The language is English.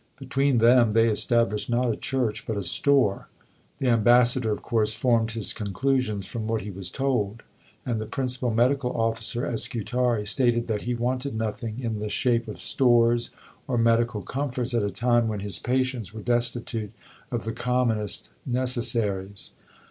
Between them, they established not a church, but a store. The Ambassador of course formed his conclusions from what he was told; and the Principal Medical Officer at Scutari "stated that he wanted nothing in the shape of stores or medical comforts at a time when his patients were destitute of the commonest necessaries.